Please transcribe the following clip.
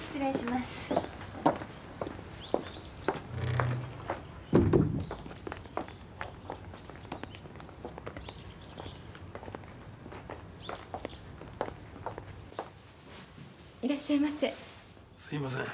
すいません。